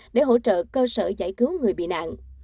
để hỗ trợ cơ sở giải cứu người bị nạn